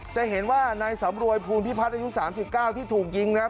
จะเห็นว่านายสำรวยภูมิพิพัฒน์อายุ๓๙ที่ถูกยิงนะครับ